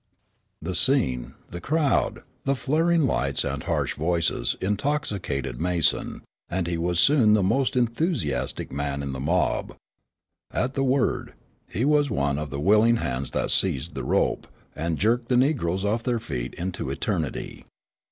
The scene, the crowd, the flaring lights and harsh voices intoxicated Mason, and he was soon the most enthusiastic man in the mob. At the word, his was one of the willing hands that seized the rope, and jerked the negroes off their feet into eternity.